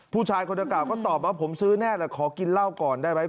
ผู้ชายคนกล่าก็ตอบว่าผมซื้อแน่แหละขอกินเหล้าก่อนได้ไหม